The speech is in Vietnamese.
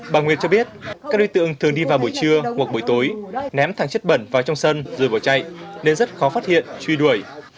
bà nguyệt cho biết các đối tượng thường đi vào buổi trưa hoặc buổi tối ném thẳng chất bẩn vào trong sân rồi bỏ chạy nên rất khó phát hiện truy đuổi